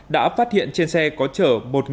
đã phát hiện trên xe có trở